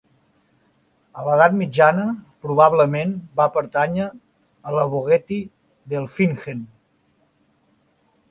A l'edat mitjana probablement va pertànyer a la "vogtei" d'Elfingen.